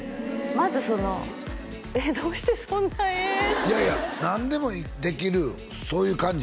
まずそのえっどうしてそんな「え」っていやいや何でもできるそういう感じ